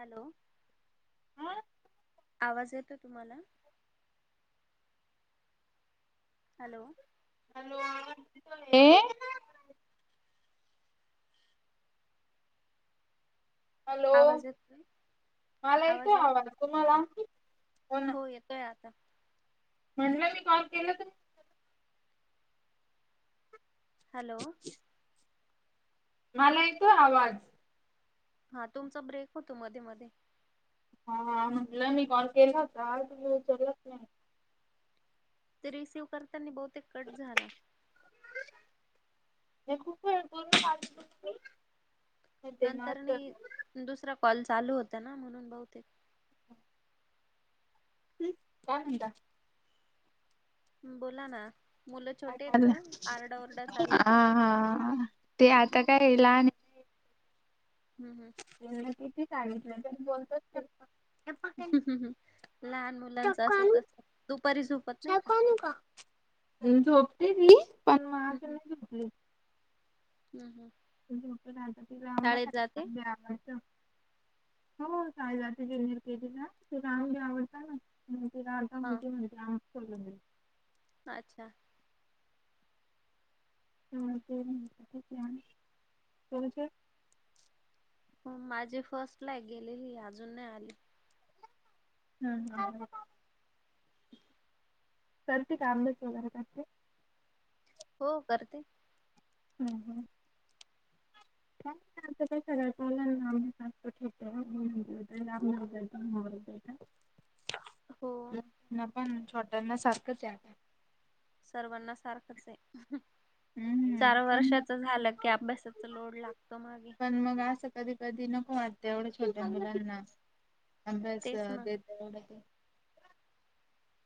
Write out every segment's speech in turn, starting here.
Hello! Hello आवाज येतो तुम्हाला? हॅलो! हे! हॅलो! आवाज येतोय मला इेते आवाज तुम्हाला? हो येतोय आता. म्हणलं मी कॉल केलं तू हॅलो! मला येतो आवाज. हा तुमचा ब्रेक होतो मध्ये मध्ये. हा म्हटलं मी कॉल केला होता तु उचललाच नाही. ते रिसीव्ह करताना बहुतेक कट झाला. खूप ग [unintelligible] नंतर मी दुसरा कॉल चालू होता ना म्हणून बहुते. हम! काय म्हणता. बोला ना. मुलं छोटे आहेत लं का आरडाओरडा ह चाललाय हा ते हम्म आता कायला. हम, हम! त्यां किती सांगितलं त्यां बोलतोच. लहान मुलांचं असच दुपारी झोपत नाही का? टेवुका. झोपते ती. मग अजून हम! नाही झोपली. शाळेत जाते. हजाते. हो [unintelligible] म्हण तला अध हा मिती म्हणते आम सल. अच्छा! [unintelligible] कोणते. माझी फर्स्टलाई गेलेली अजून नाही आली. हम्म! हम! सती कामदज वगैरे करते. हो करते. हम! ह. काय आ काय सगळयच. तर लहान देतात मोबाईल हो. ना पण छोट्यांना सारखंच यात. सर्वांना सारखंच आहे. हम्म चार पण मग वर्षाच झालं की अभ्यासाच लोड लागतं मागे. पण मग असं कधी कधी नको वाटत एवढं छोट्या मुलांना अभ्यास. तेच ना. ड ते.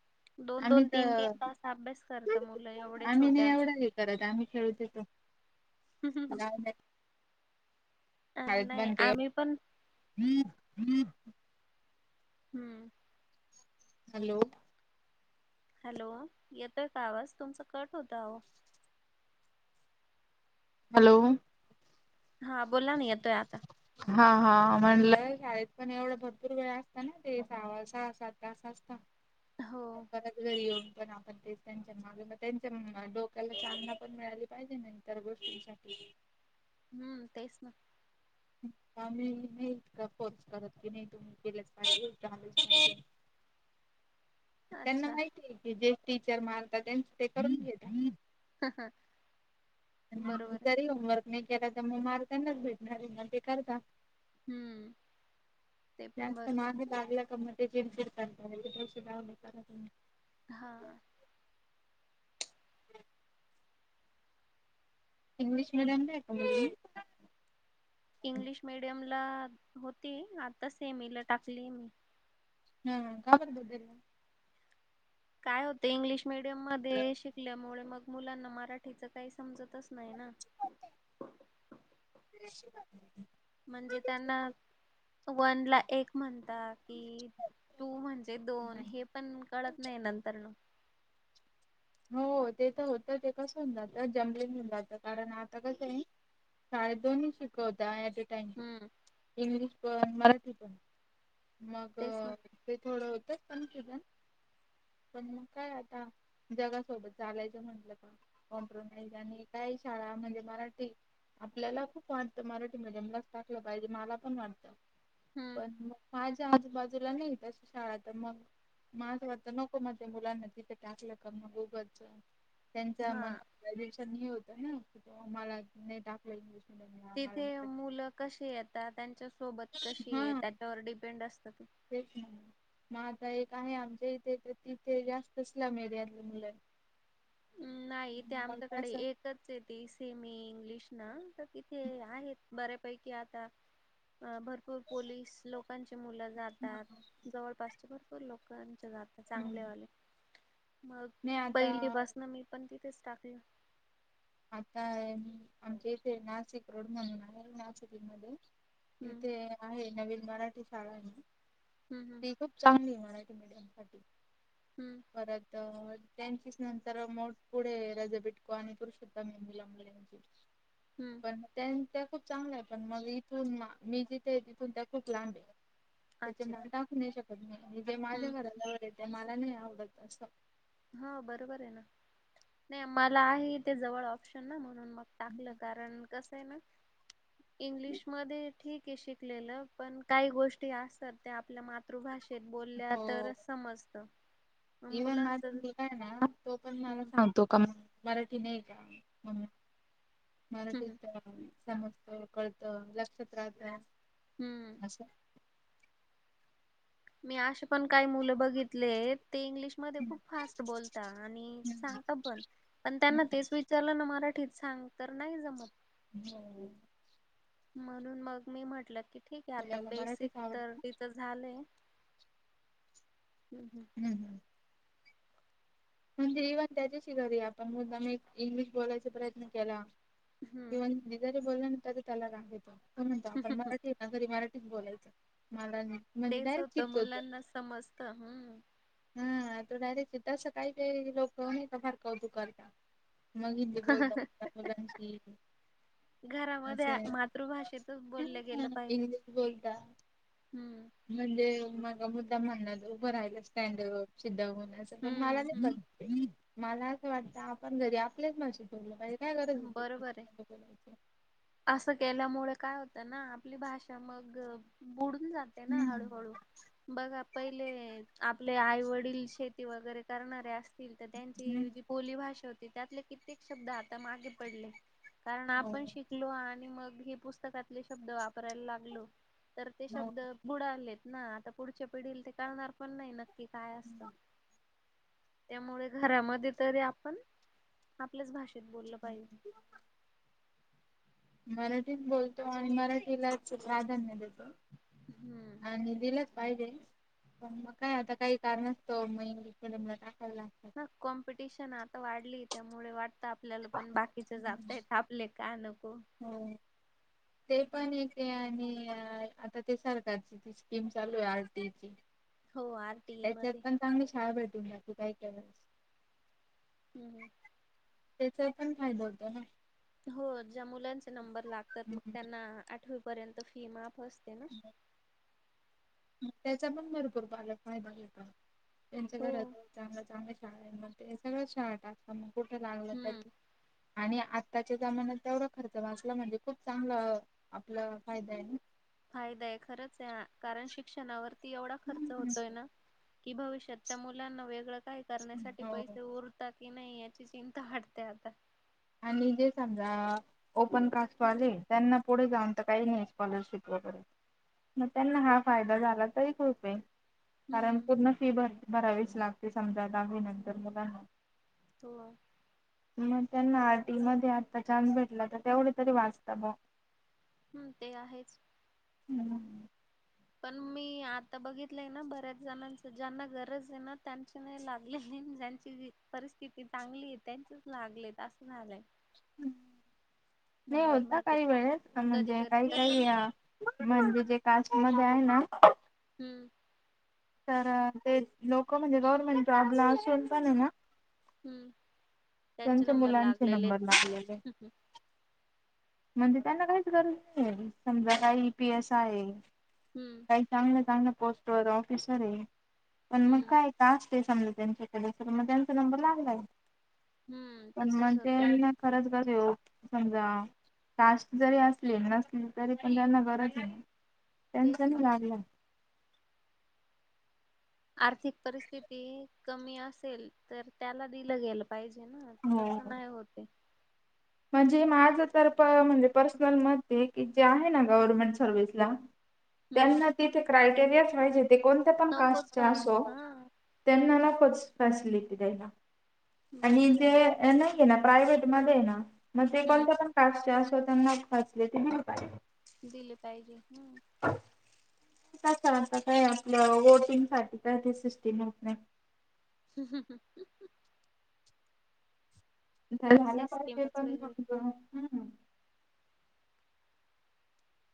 [inaudible] दोन आम्ही -दोन, तीन- तीन तर तास अभ्यास करत मुलं एवढ्या आम्ही नाही छोट्या गावाला जायच. अ, खत नाही बनते. आम्ही पण हम! हॅलो? हॅलो? येतोय का आवाज? तुमचा कट होतोय अहो. हॅलो? हा, बोलाना येतोय आता. हा, हा, म्हणलंय शाळेत पण एवढ भरपूर वेळ असत ना ते स सस आता [unintelligible] हो हम्म [unintelligible] घरी येऊन पण आपण तेच त्यांच्या मागे मग त्यांच्या डोक्याला तान पण मिळाली पाहिजे ना. [unintelligible] इतर गोष्टींसाठी. हम्म तेच ना. आम्ही नाही इतका फोर्स करत की नाही तुम्ही केल्याच पाहिजे [unintelligible] हम्म [inaudible] त्यांना माहितीय की, जे टीचर मानतात त्यांच ते करून घेत- बरोबर आहे. तरी होमवर्क- मी केला जर मी मार त्यांनाच भेटणार आहे म ते करदा [unintelligible] हम्म ते पण जास्त बरोबर महाग आहे लागला कम [unintelligible] ते करडाव करा [unintelligible] हा. हा [inaudible] इंग्लिश मीडियमला आहे का मूलगी? इंग्लिश मिडियमला होती, आता सेमीला टाकली मी. हा काबर बदला [unintelligible] काय होते, इंग्लिश मीडियम मध्ये शिकल्यामुळे मग- मुलांना मराठीचं काही समजतच नाही ना. ह [inaudible] म्हणजे त्यांना वन ला एक म्हणतात. कि, टू म्हणजे दोन हे पण कळत नाही नंतरन. हो, ते तर होत, ते कसं होऊन जात, जमलींग होऊन जात कारण आता कस आहे - शाळेत दोन्ही शिकवता- अँटटाईम हम्म इंग्लिश पण, मराठी पण, तेच ना मग- ते थोडं होत कन्फ्युजन, पण मग काय आता- जगासोबत चालायचं म्हटलं का, कॉम्प्रमाइज आणि काय शाळा म्हणजे मराठी- आपल्याला खूप वाटतं, मराठी मीडियमला टाकलं पाहिजे मला पण वाटत, हम्म पण- माझ्या आजूबाजूला नाही तस शाळा तर मग- माझ वाटत नको माझ्या मुलांना तिथे टाकलं का मग, उगच त्यांच्या मन- हा ग्रॅज्युएशन न्यु होतं ना, तेव्हा मला टा [unintelligible] तिथे मुलं कशी येतात, त्यांच्या सोबत कशी येतात, हा त्याच्यावर डिपेंड असत ते. तेच ना. मग आता एक आहे आमच्या इथे, तर तिथे जास्तचला मेडियात मुलं. [unintelligible] नाही, ते मग आमच्याकडे असं एकच येते सेमी इंग्लिश ना- इथे आहेत, बऱ्यापैकी आता भरपूर- भरपूर पोलीस लोकांची मुलं जातात, जवळपासचे भरपूर लोकांचे जातात. हम्म चांगलेले मग नाही आता पहिलीपासन मी पण तिथेच टाकली [unintelligible] आता आमचे इथे नाशिक रोड म्हणून आहे, नाशिक मध्ये- हम्म इथे आहे, नवीन मराठी शाळा आहे ना- ह. ह. ती खूप चांगलीये मराठी मीडियम साठी. हम्. परत त्यांचीच नंतर मोठ पुढे, रज पिटको आणि पुरु- क मेमला मु [unintelligible] हम्म. पण त्या खूप चांगल्या आहे पण मग इथून मी जिथे आहे तिथून त्या खूप लांब आहे. त्याचे म अच्छा टाखू नाही शकत नाही आणि जे माझ्या हम्म हम्म घराला वड मला नाही आवडत असं. हा बरोबर आहे ना नाही मला आहे ते जवळ शन म्हणून मग टाकलं कारण कस आहे ना इंग्लिश ठीक आहे शिकलेलं पण काही गोष्टी असतात ते आपल्या मात. मातृभाषेत बोलल्या हो तर समजत इव्हन मुलां माझा तो पण मला सांग. तो का मराठी नाही का मराठी हम्म समजतो कळत लक्षात राहत. हम्म. अस. मी असे पण काही मुलं बघितले ते इंग्लिश मध्ये खूप फास्ट बोलता आणि सांग. पण पण त्यांना तेच विचारलं ना मराठीत सांग तर नाही जमत. हम्. म्हणून मग मी म्हटलं की ठीक आहे आता मुलाला बेसिक मराठीच तर आवडतं. तिच झालं हम् हम्. हम्म. म्हणजे इव्हन त्याच्याशी घरी आपण मुद्दा मी इंग्लिश बोलायचा प्रयत्न केला. हम्म. किंवा जरी बोलल ना तरी त्याला राग येतो म्हणतो आपण मराठी आ तरी मराठीत बोलायचं मलानी तेच होतं मुलांना समजत हम्. हा तो डायरेक्ट सिद्ध असं काही काही लोक नाही फार कवतु करता. मग हिी बोलतात मुांची घरामध्ये मातृभाषेतच बोललं हा, गेलं पाहिजे. इंग्लिश बोलता. हम्म. म्हणजे मग मुद्दा म्हणण उभं राहायला स्टँडप सिद्धा होन असं पण मला हम्म हम्म नाही. मला असं वाटतं आपण घरी आपलेच माशी ठवलं पाहिजे. काय गरज होती बरोबर आहे. बोलायची. असं केल्यामुळे काय होतं ना आपली भाषा मग बुड जाते ना हम्म हळूहळू बघ. पहिले आपले आई वडील शेती वगैरे करणारे असतील तर हम्म त्यांची बोली भाषा होती त्यातले कित्येक शब्द आता मागे पडले. कारण आपण हो. शिकलो आणि मग हे पुस्तकातले शब्द वापरायला लागलो. तर ते शब्द बुडालेत ना आता पुढच्या पिढीला ते काढणार. पण नाही नक्की काय असत. त्यामुळे घरामध्ये तरी आपण आपल्याच भाषेत बोललं पाहिजे. मराठीत बोलतो आणि मराठीलाच प्राधान्य देतो. हम्म. आणि दिलंच पाहिजे. पण मग काय आता काही कारण असतं मग इंग्लिश म टाकायला लागतं. ना कॉम्पिटिशन आता वाढली त्यामुळे वाट. आपल्याला पण बाकीच जाता येत आपले का नको. हो पण एक ते आणि आता ते सरकारची ती स्कीम चालू आर्टियेची. हो आर. त्याच्यात पण चांगली शाळा भेटून जाते काही काही वेळस. हम् हम. त्याचा पण फायदा होता ना. हो ज्या मुलांचे नंबर लागतात मग हम्म. त्यांना आठवीपर्यंत फी माफ असते ना. त्याचा पण भरपूर बालक आहे बाल त्यांच्या हो. घरा चांग चांग. शाळे मग ते सगळं शट असता मग कुठे लागलं हम्म तरी आणि आत्ताच्या जमान्यात तेवढा खर्च वाचला म्हणजे खूप चांगलं. आपला फायदा आहे ना. फायदाय खरंच आहे कारण शिक्षणावरती एवढा खर्च होतोय ना. की भविष्यात त्या मुलांना वेगळं काही करण्यासाठी हो पैसे उर. टक्के नाही याची चिंता वाटते आता. आणि जे समजा. ओपन कास्टवाले त्यांना पुढे जाऊन तर काही नाही स्कॉलरशिप वगैरे. मग त्यांना हा ते- फायदा झाला तरी खुपे कारण हम्म पूर्ण फी भर. बरावीच लागते समजा दहावी नंतर मुलांना. हो मग त्यांना आरटी मध्ये आता चान्स भेटला तर तेवढे तरी वाचत ब हम्म ते आहेच हम्म पण मी आता बघितलंय ना बऱ्याच जणांच ज्यांना गरजे ना त्यांचे नाही लागले ज्या परिस्थिती चांगलीये त्यांचेच लागले असं झालंय.. नाही नंबर होता म्हणजे काही वेळेत कधी म्हणजे कधी काही काही तसच या म्हणजे जे कास्ट मध्ये आहे ना. हम्म तर ते लोक म्हणजे गव्हर्नमेंट जॉब ला असून पण ना. हम् त्यांचे त्यांच्या नंबर मुलांचे लागलेले नंबर आहेत लागलेले का? म्हणजे त्यांना काहीच गरज नाही समजा काय ई पी एस आय ये हम्म चांगल्या चांगल्या पोस्ट वर ऑफिसर आहे पण मग हम्म काय? दहा स्टेशनला त्यांच्याकडे तर मग त्यांचा नंबर लागलाय. हम्म पण तसच म्हणजे होतय ना खरंच गरज हो समजा. कास्ट जरी असले नसले तरी पण त्यांना गरजेना तेच त्यांचा ना नई लागलं. आर्थिक परिस्थिती कमी असेल तर त्याला दिलं गेल. पाहिजे ना त तसं हो नाही होते. म्हणजे माझं तर म्हणजे पर्सनल मध्ये की जे आहे ना गव्हर्नमेंट सर्व्हिसला. हम्म त्यांना तिथे क्रायटेरियाच पाहिजे ते कोणत्या पण नकोच कास्टचे पाहिजे असो. हा त्यांनाना नकोच फॅसिलिटी द्यायला आणि बरोबर आहे ना जे नाहीये ना प्रायव्हेट मध्ये ना मग ते कोणत हम्म पण. कास्टचे असो त्यांना फॅसिलिटी दिली पाहिजे. दिले पाहिजे हम् कस आता काय आपल्या वोटिंग साठी काय ते सिस्टीम होत नाही. ह ह ह झालं पाहिजे सिस्टीमच पण वेगळी करून.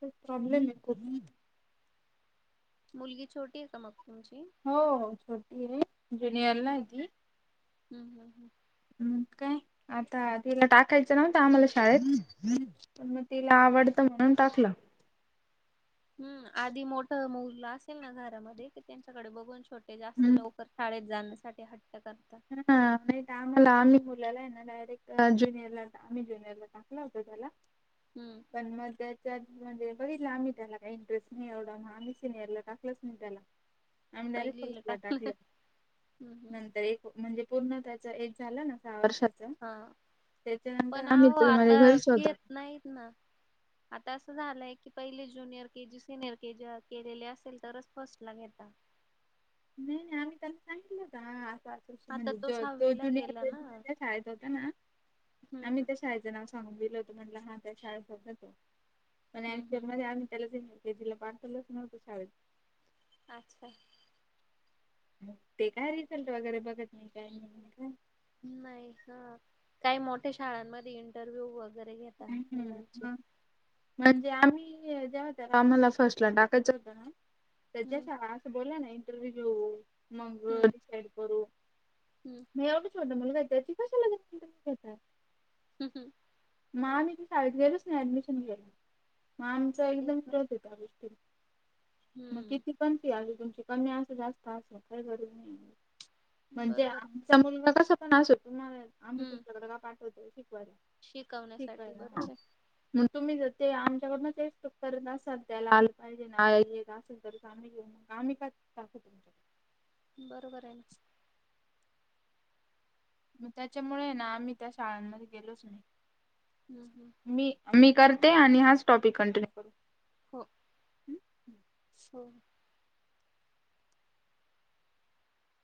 प्रॉब्लेम येतोय. मुलगी छोटीये का मग तुमची हो हो छोटीये. ह ह ह हम् काय आता तिला टाकायचं नवत आम्हाला शाळेच. पण मग तिला आवडतं म्हणून टाकलं. हम् आधी मोठं मुल असेल ना घरामध्ये कि त्यांच्याकडे बघून छोटे जास्त हम्म लवकर शाळे जाण्यासाठी हट्ट करतात. हटाग ल आमूरला डायरेक जुनियरला आम्ही जुनिरला टाकला होत त्याला हम्म पण मग त्या त्या म्हणजे बघितलं आम्ही त्याला काही इंटरेस्ट नाही एवढा मग आम्ही सिनियरला टाकलच नाही त्याला [inaudible] आम्ही डायरेक्ट फर्स्टला टाकलं हम्म हम्म नंतर एक म्हणजे पूर्ण त्याच एक झालं ना सहा वर्षाच हा त्याच्यानंतर पण आम्ही अहो माझ्या आता घरीच होतात. घेत नाहीत ना. आता असं झालय की पहिले junior K, G, senior K, G, केलेली असेल तरच फर्स्टला घेतात. नाही, नाही आम्ही त्यांना सांगितलं होत हा आता म्हणजे तो सहावीला ज्युनिअर गेला के, ना जीच्या हम्म शाळेत होता ना आम्ही हम्म शाळेचं नाव सांगून गेल होत म्हटलं हा त्या शाळे सतो पण हम्म ऍक्च्युली हम्म मध्ये आम्ही त्याला ते तिथे पाठवलं नोव्हत शाळेत. अच्छा. ते काय रिझल्ट वगैरे बघत नाही काय नाही काय. नाही हा काही मोठ्या शाळांमध्ये इंटरव्ह्यू वगैरे घेता हम्म, मुलांचे. मग म्हणजे आम्ही जेव्हा त्याला आम्हाला फर्स्टला टाकायचं होतं ना तर ज्या हम्म शाळा असं बोला ना इंटरव्ह्यू घेऊ मग हम्म डिसाइड करू हम्म. मी एवढे छोट मुलगा त्याची कशाला इंटरव्यू घेतात. हम्म हं. म आम्ही त्या शाळेत गेलच नाही ऍडमिशन घ्यायला मग आमचा तेच एकदम ना फित हो त्या गोष्टी मग हम्म किती कती आली तुमची कमी अस जास्त असण का गरज नाही म्हणजे बरोबर आहे चा मुलगा कसा पण असत तुम्हाला आम्ही हम्म तुमच्याकडे काय पाठवतो शिकवायला शिकवण्यासाठी शिकवायला. बरोबर मग तुम्ही जर ते आमच्याकडन ते करत असाल त्याला आलं पाहिजे ना असेल तर आम्ही का टाकु तुमच्या बरोबर आहे. मग त्याच्यामुळे ना आम्ही त्या शाळांमध्ये गेलोच नाही. हम्म, हम्म. मी मी करते आणि हाच टॉपिक कंटिन्यू हो. करू. हो.